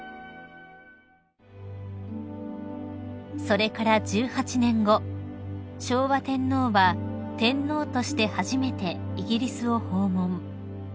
［それから１８年後昭和天皇は天皇として初めてイギリスを訪問］